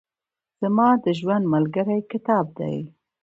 زما د ژوند ملګری کتاب دئ.